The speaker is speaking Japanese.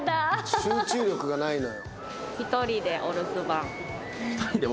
集中力がないのよ。